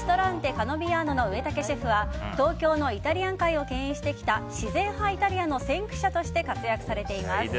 カノビアーノの植竹シェフは東京のイタリアン界を牽引してきた自然はイタリアンの先駆者として活躍されています。